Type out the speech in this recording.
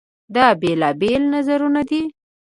دا بېلابېل نظرونه دي.